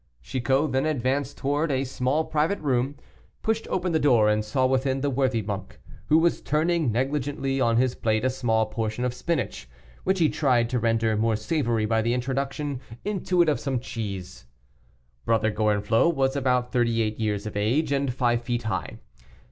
Chicot then advanced towards a small private room, pushed open the door, and saw within the worthy monk, who was turning negligently on his plate a small portion of spinach, which he tried to render more savory by the introduction into it of some cheese. Brother Gorenflot was about thirty eight years of age and five feet high.